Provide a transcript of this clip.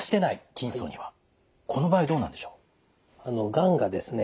がんがですね